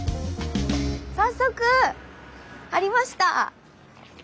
早速ありました！